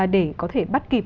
để có thể bắt kịp